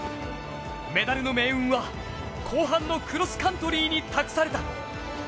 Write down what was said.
メダルの命運は後半のクロスカントリーに託された。